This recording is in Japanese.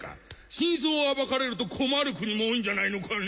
真相を暴かれると困る国も多いんじゃないのかね？